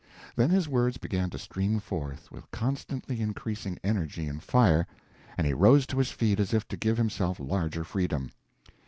Then his words began to stream forth, with constantly increasing energy and fire, and he rose to his feet as if to give himself larger freedom.